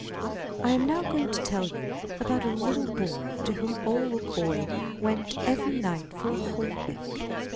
I am now going to tell you about a little boy to whom Ole Luk oie went every night for a whole week.